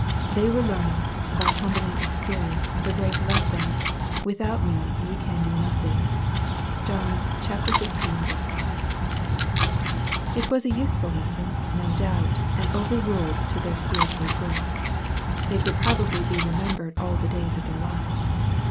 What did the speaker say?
They were learning by humbling experience the great lesson, " without me ye can do nothing." (John xv. 5.) It was a useful lesson, no doubt, and over ruled to their spiritual good. It would probably be remembered all the days of their lives.